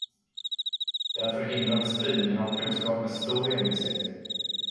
Den förhindrade spridningen av kunskap med stor envishet.